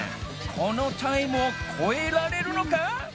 このタイムをこえられるのか！？